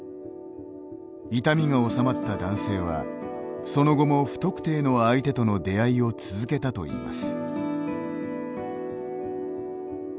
痛みが治まった男性はその後も不特定の相手との出会いを続けたといいます。